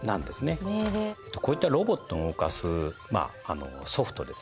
こういったロボットを動かすソフトですね